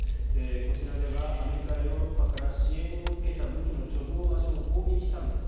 こちらではアメリカやヨーロッパから支援を受けた武器の貯蔵場所を攻撃したんだと。